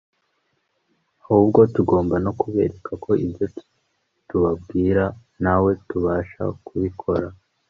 ahubwo tugomba no kubereka ko ibyo tubabwira natwe tubasha kubikora